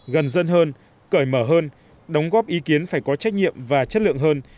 gần dân hơn cởi mở hơn đóng góp ý kiến phải có trách nhiệm và chất lượng hơn